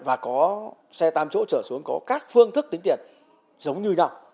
và xe tám chỗ trở xuống có các phương thức tính tiền giống như nào